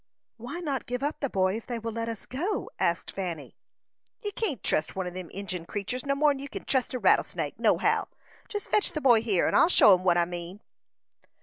"Why not give up the boy, if they will let us go?" asked Fanny. "You can't trust one o' them Injin creeturs no more'n you kin trust a rattlesnake, nohow. Jest fetch the boy here, and I'll show 'em what I mean."